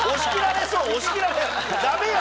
ダメよ！